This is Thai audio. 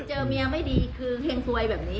เจอเมียไม่ดีคือเฮงซวยแบบนี้